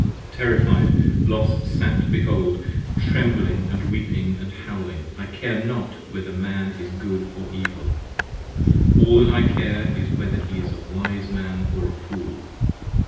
Terrified Los sat to behold, trembling & weeping & howling. I care not whether a Man is Good or Evil; all that I care 55 Is whether he is a Wise Man or a Fool.